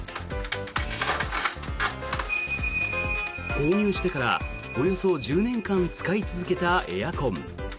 購入してからおよそ１０年間使い続けたエアコン。